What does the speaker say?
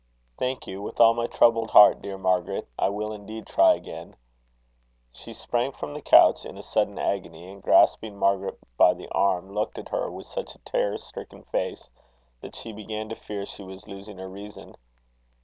"Thank you, with all my troubled heart, dear Margaret. I will indeed try again." She sprang from the couch in a sudden agony, and grasping Margaret by the arm, looked at her with such a terror stricken face, that she began to fear she was losing her reason.